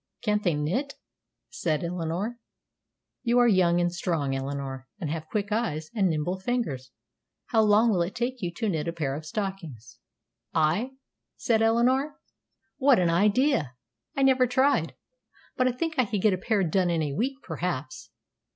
Can't they knit?" said Eleanor. "You are young and strong, Eleanor, and have quick eyes and nimble fingers; how long would it take you to knit a pair of stockings?" "I?" said Eleanor. "What an idea! I never tried, but I think I could get a pair done in a week, perhaps."